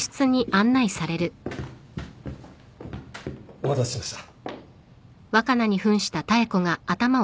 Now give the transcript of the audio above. ・・お待たせしました。